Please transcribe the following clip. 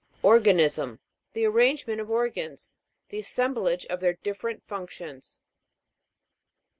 OR'GANISM. The arrangement of organs ; the assemblage of their different functions.